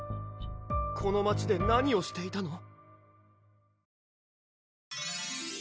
この街で何をしていたの？